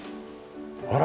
あら。